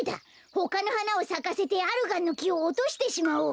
ほかのはなをさかせてアルガンのきをおとしてしまおう。